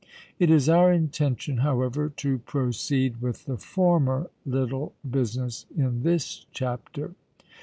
It is our intention, however, to proceed with the former little business in this chapter.